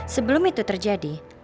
sebelum itu terjadi